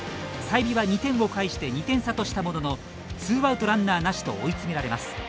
済美は、２点をかえして２点差としたもののツーアウト、ランナーなしと追い詰められます。